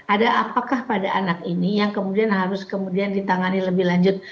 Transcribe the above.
ada apakah pada anak ini yang kemudian harus kemudian ditangani lebih lanjut